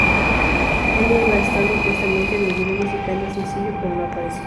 Ella iba a estar supuestamente en el video musical del sencillo, pero no apareció.